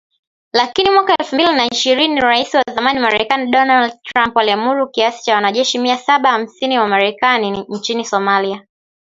Lakini mwaka elfu mbili ishirini Rais wa zamani Marekani Donald Trump aliamuru kiasi cha wanajeshi mia saba hamsini wa Marekani nchini Somalia.